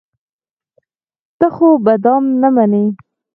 ته خو به دام نه منې.